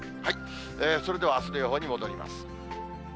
それではあすの予報に戻ります。